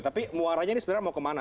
tapi muaranya ini sebenarnya mau kemana